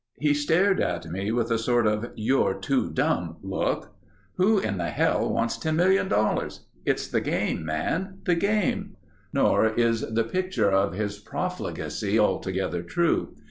He stared at me with a sort of "you're too dumb" look. "Who in the hell wants $10,000,000? It's the game, man—the game." Nor is the picture of his profligacy altogether true.